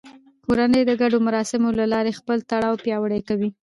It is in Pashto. کورنۍ د ګډو مراسمو له لارې خپل تړاو پیاوړی کوي